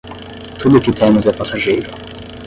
Tudo o que temos é passageiro